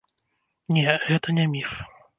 Не, гэта не міф.